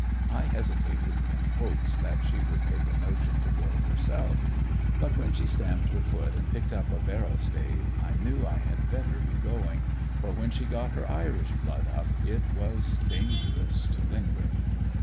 I hesitated, in hopes that she would take a notion to go herself, but when she stamped her foot and picked up a barrel stave I knew I had better be going, for when she got her Irish blood up it was dangerous to linger.